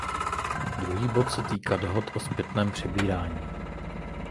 Druhý bod se týká dohod o zpětném přebírání.